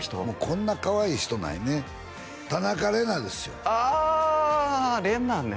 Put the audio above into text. こんなかわいい人ないね田中麗奈ですよああ麗奈ね